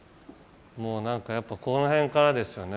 もう何かやっぱこの辺からですよね